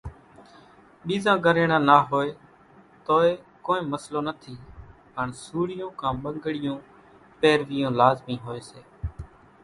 ٻيزان ڳريڻان نا هوئيَ توئيَ ڪونئين مسلو نٿِي پڻ سوڙِيون ڪان ٻنڳڙِيون پيروِيون لازمِي هوئيَ سي۔